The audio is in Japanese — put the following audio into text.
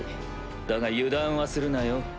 だが油断はするなよ。